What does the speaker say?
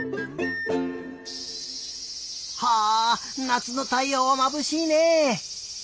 はあなつのたいようはまぶしいね。